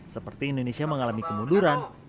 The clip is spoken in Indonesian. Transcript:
seperti indonesia mengalami kemunduran